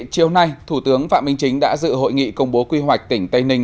chiều nay thủ tướng phạm minh chính đã dự hội nghị công bố quy hoạch tỉnh tây ninh